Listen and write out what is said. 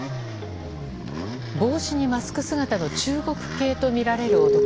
帽子にマスク姿の中国系とみられる男。